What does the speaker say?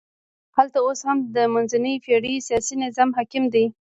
هلته اوس هم د منځنیو پېړیو سیاسي نظام حاکم دی.